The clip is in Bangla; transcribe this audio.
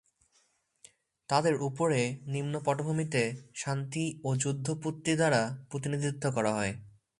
তাদের উপরে, নিম্ন পটভূমিতে, শান্তি ও যুদ্ধ পুত্তি দ্বারা প্রতিনিধিত্ব করা হয়।